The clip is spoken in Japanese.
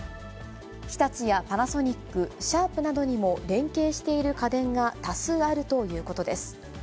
日立やパナソニック、シャープなどにも連携している家電が多数あるということです。